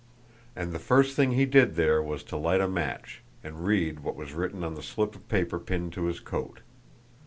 And the first thing he did there was to light a match, and read what was written on the slip of paper pinned to his coat.